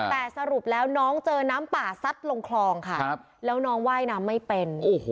แต่สรุปแล้วน้องเจอน้ำป่าซัดลงคลองค่ะแล้วน้องว่ายน้ำไม่เป็น